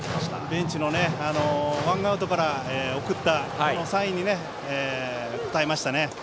ベンチのワンアウトから送ったサインに応えましたね。